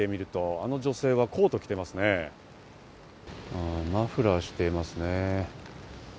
あの方はマフラーをしていますね。